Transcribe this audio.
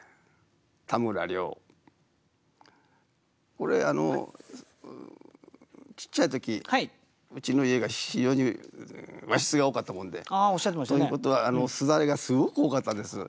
これちっちゃい時うちの家が非常に和室が多かったもんでということは簾がすごく多かったんです。